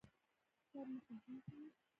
سر مو خوږیږي؟